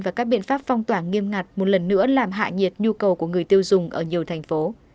và các biện pháp phong tỏa nghiêm ngặt một lần nữa làm hạ nhiệt nhu cầu của người tiêu dùng ở nhiều thành phố